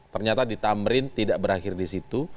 ternyata di tamrin tidak berakhir di situ